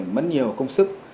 mất nhiều công sức